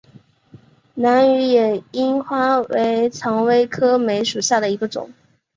兰屿野樱花为蔷薇科梅属下的一个种。